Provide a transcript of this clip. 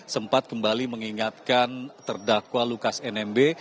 sempat kembali mengingatkan terdakwa lukas nmb